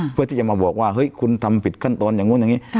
เพื่อที่จะมาบอกว่าเฮ้ยคุณทำผิดขั้นตอนอย่างนู้นอย่างนี้